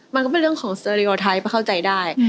มันก็เป็นเรื่องของสเตรียลไทป์เข้าใจได้